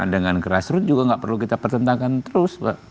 dengan keras rut juga gak perlu kita pertentangkan terus